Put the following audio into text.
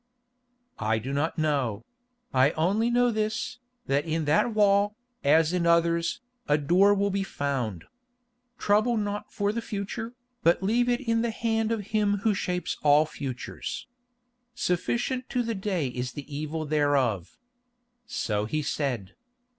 "I do not know; I only know this, that in that wall, as in others, a door will be found. Trouble not for the future, but leave it in the hand of Him Who shapes all futures. Sufficient to the day is the evil thereof. So He said.